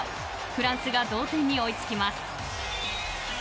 フランスが同点に追い付きます。